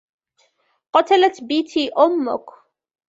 قتلت بيتي أمك.